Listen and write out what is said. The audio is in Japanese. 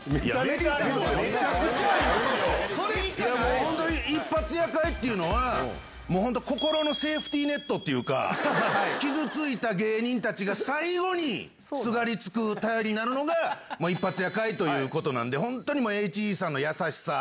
本当に一発屋会というのは、もう本当、心のセーフティーネットというか、傷ついた芸人たちが最後にすがりつく、頼りになるのが一発屋会ということなんで、本当にもうＨＧさんの優しさ。